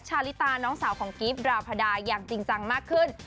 ชาลิตาน้องสาวของกิฟต์ดราพดาอย่างจริงจังมากขึ้น